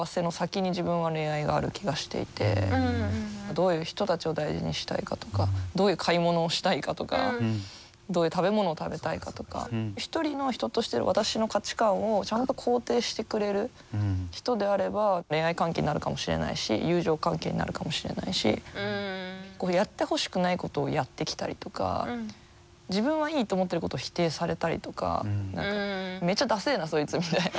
どういう人たちを大事にしたいかとかどういう買い物をしたいかとかどういう食べ物を食べたいかとか一人の人として私の価値観をちゃんと肯定してくれる人であれば恋愛関係になるかもしれないし友情関係になるかもしれないしやってほしくないことをやってきたりとか自分はいいと思ってることを否定されたりとか何かめちゃダセえなそいつみたいな。